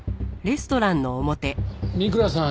三倉さん